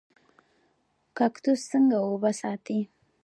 کاکتوس څنګه اوبه ساتي؟